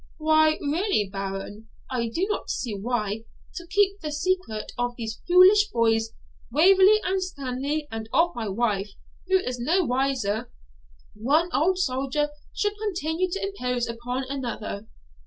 'Why really, Baron, I do not see why, to keep the secret of these foolish boys, Waverley and Stanley, and of my wife, who is no wiser, one old soldier should continue to impose upon another.